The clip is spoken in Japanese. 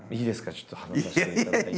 ちょっと話させていただいて。